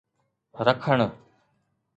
رکڻ